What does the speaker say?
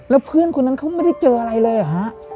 แล้วเพื่อนคนนั้นเขาไม่ได้เจออะไรเลยเหรอฮะ